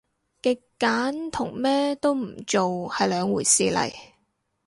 極簡同咩都唔做係兩回事嚟